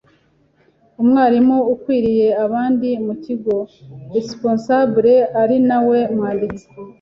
Umwarimu ukuriye abandi mu kigo (Responsable) ari nawe mwanditsi